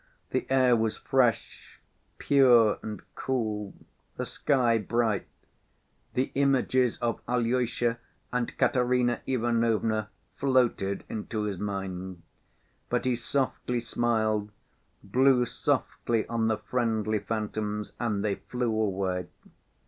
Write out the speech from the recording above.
The air was fresh, pure and cool, the sky bright. The images of Alyosha and Katerina Ivanovna floated into his mind. But he softly smiled, blew softly on the friendly phantoms, and they flew away.